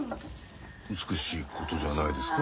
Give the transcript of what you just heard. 美しいことじゃないですか？